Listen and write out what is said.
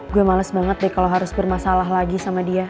gue males banget deh kalau harus bermasalah lagi sama dia